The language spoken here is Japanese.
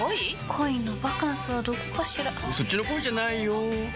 恋のバカンスはどこかしらそっちの恋じゃないよ